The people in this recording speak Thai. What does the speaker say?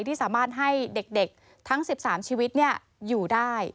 ที่สามารถให้เด็กทั้ง๑๓ชีวิตอยู่ได้